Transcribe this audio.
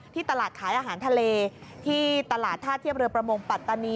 ตลาดขายอาหารทะเลที่ตลาดท่าเทียบเรือประมงปัตตานี